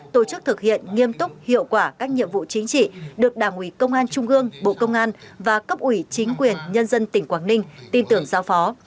tổ chức thực hiện nghiêm túc hiệu quả các nhiệm vụ chính trị được đảng ủy công an trung gương bộ công an và cấp ủy chính quyền nhân dân tỉnh quảng ninh tin tưởng giao phó